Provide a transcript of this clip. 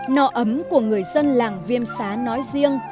nọ ấm của người dân làng viêm xá nói riêng